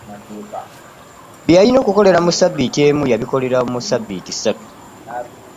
Byeyalialina okukolera mu sabbiiti emu yabikolera musabbiiti satu .